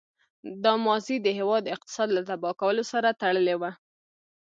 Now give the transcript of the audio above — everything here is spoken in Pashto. دا ماضي د هېواد اقتصاد له تباه کولو سره تړلې وه.